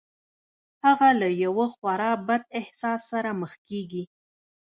هغه له يوه خورا بد احساس سره مخ کېږي.